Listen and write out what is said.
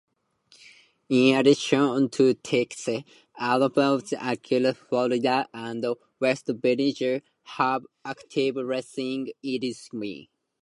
In addition to Texas, Alabama, Arkansas, Florida, and West Virginia have active racing industries.